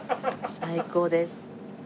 最高です。